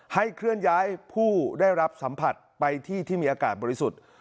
เคลื่อนย้ายผู้ได้รับสัมผัสไปที่ที่มีอากาศบริสุทธิ์